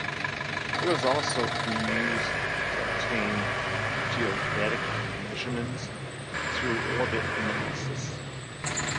It was also to be used to obtain geodetic measurements through orbit analysis.